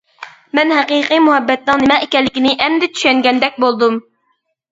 مەن ھەقىقىي مۇھەببەتنىڭ نېمە ئىكەنلىكىنى ئەمدى چۈشەنگەندەك بولدۇم.